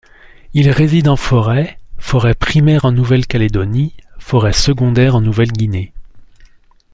Il réside en forêt, forêt primaire en Nouvelle-Calédonie, forêt secondaire en Nouvelle-Guinée.